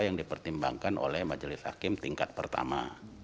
yang dipertimbangkan oleh majelis hakim tingkat pertama